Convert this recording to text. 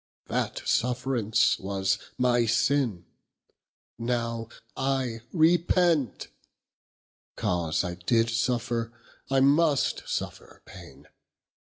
That sufferance was my sinne; now I repent; 'Cause I did sufffer I must suffer paine.